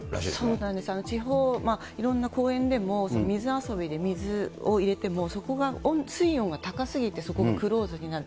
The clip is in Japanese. そうなんです、地方、いろんな公園でも、水遊びで水を入れても、そこが水温が高すぎて、そこがクローズになる。